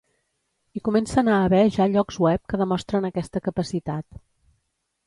Hi comencen a haver ja llocs web que demostren aquesta capacitat.